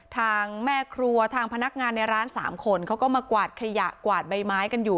ทางแม่ครัวทางพนักงานในร้าน๓คนเขาก็มากวาดขยะกวาดใบไม้กันอยู่